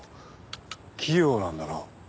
器用なんだな。